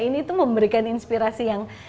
ini tuh memberikan inspirasi yang